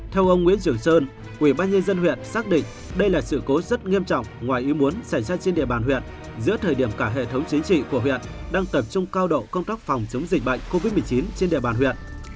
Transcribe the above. theo ông nguyễn trường sơn ubnd huyện xác định đây là sự cố rất nghiêm trọng ngoài ý muốn xảy ra trên địa bàn huyện giữa thời điểm cả hệ thống chính trị của huyện đang tập trung cao độ công tác phòng chống dịch bệnh covid một mươi chín trên địa bàn huyện